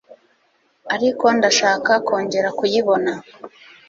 ariko ndashaka kongera kuyibona